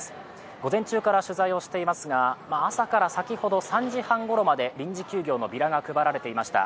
午前中から取材をしていますが、朝から先ほど３時半ごろまで臨時休業のビラが配られていました。